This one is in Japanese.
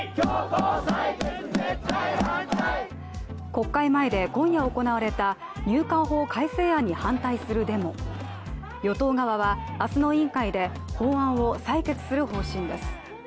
国会前で今夜行われた入管法改正案に反対するデモ与党側は明日の委員会で法案を採決する方針です。